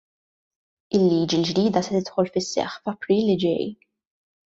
Il-liġi l-ġdida se tidħol fis-seħħ f'April li ġej.